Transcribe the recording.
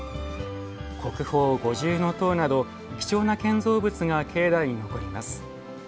国宝・五重塔など貴重な建造物が境内に残ります。